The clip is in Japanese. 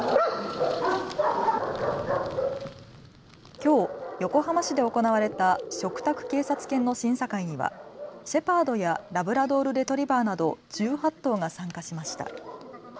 きょう横浜市で行われた嘱託警察犬の審査会にはシェパードやラブラドール・レトリーバーなど１８頭が参加しました。